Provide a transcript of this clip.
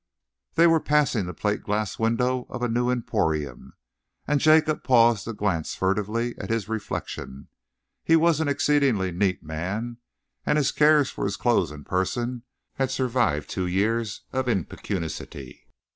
They were passing the plate glass window of a new emporium, and Jacob paused to glance furtively at his reflection. He was an exceedingly neat man, and his care for his clothes and person had survived two years of impecuniosity.